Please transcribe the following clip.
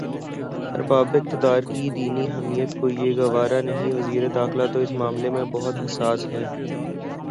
ارباب اقتدارکی دینی حمیت کو یہ گوارا نہیں وزیر داخلہ تو اس معاملے میں بہت حساس ہیں۔